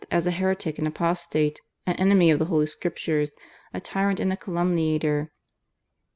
as a heretic and apostate, an enemy of the Holy Scriptures, a tyrant, and a calumniator.